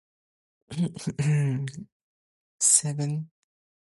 It also enforces planning for the development of projects.